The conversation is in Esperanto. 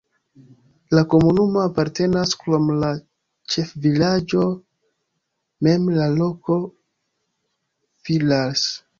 Al la komunumo apartenas krom la ĉefvilaĝo mem la loko Villars.